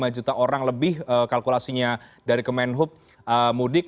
lima juta orang lebih kalkulasinya dari kemenhub mudik